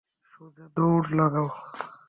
সোজা দৌড় লাগাও।